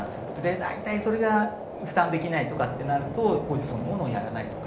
大体それが負担できないとかってなると工事そのものをやらないとか。